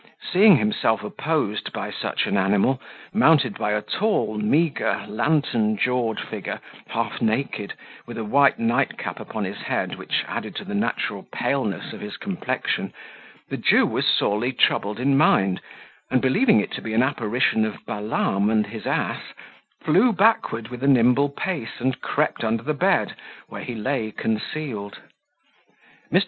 Seeing himself opposed by such an animal, mounted by a tall, meagre, lantern jawed figure, half naked, with a white nightcap upon his head which added to the natural paleness of his complexion, the Jew was sorely troubled in mind and believing it to be an apparition of Balaam and his ass, flew backward with a nimble pace, and crept under the bed, where he lay, concealed. Mr.